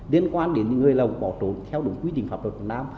liên quan đến người lao động bỏ tốn theo đúng quy định pháp luật của nam